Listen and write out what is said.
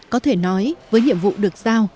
có thể nói với nhiệm vụ được giao